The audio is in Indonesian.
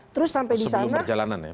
terus sampai di sana sebelum perjalanan ya